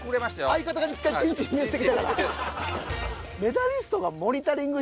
相方が１回チ○チ○見せてきたから。